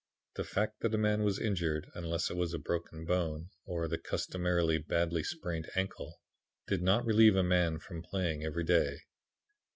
The fact that a man was injured, unless it was a broken bone, or the customary badly sprained ankle, did not relieve a man from playing every day.